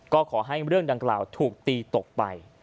ก็ขอให้เรื่องดังกล่าวถูกตีตกไป